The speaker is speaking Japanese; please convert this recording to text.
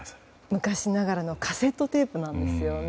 昔ながらのカセットテープなんですよね。